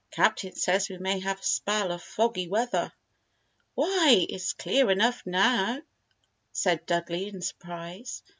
"Captain says we may have a spell of foggy weather." "Why, it's clear enough now," said Dudley, in surprise.